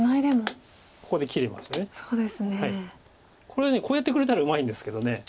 これにこうやってくれたらうまいんですけど。